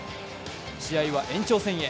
試合は延長戦へ。